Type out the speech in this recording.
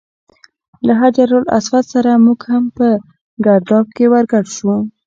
له حجر اسود سره موږ هم په ګرداب کې ور ګډ شو.